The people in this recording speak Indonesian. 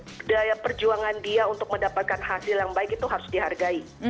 karena perjuangan dia untuk mendapatkan hasil yang baik itu harus dihargai